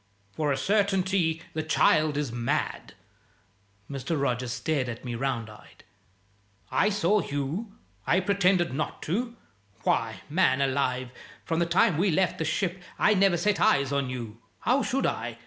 "For a certainty the child is mad!" Mr. Rogers stared at me round eyed. "I saw you? I pretended not to? Why, man alive, from the time we left the ship I never set eyes on you (how should I?)